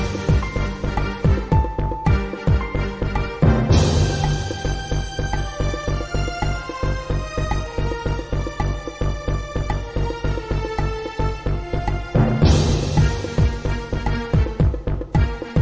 ติดตามต่อไป